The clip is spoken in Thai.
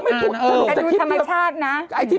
แต่ดูธรรมชาตินะ